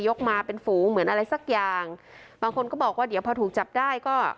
มาเป็นฝูงเหมือนอะไรสักอย่างบางคนก็บอกว่าเดี๋ยวพอถูกจับได้ก็